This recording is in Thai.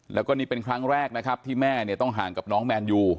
แล้วก็นี่เป็นครั้งแรกนะครับที่แม่เนี่ยต้องห่างกับน้องแมนยู